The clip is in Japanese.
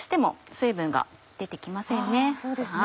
そうですね